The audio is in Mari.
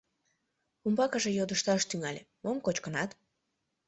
Умбакыже йодышташ тӱҥале: мом кочкынат?